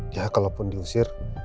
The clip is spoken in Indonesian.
ya kalau pun diusir